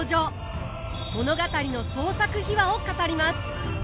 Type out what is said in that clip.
物語の創作秘話を語ります。